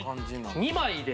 ２枚で。